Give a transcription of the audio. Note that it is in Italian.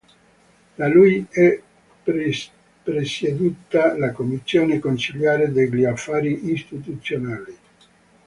Da lui è presieduta la commissione consiliare degli Affari Istituzionali.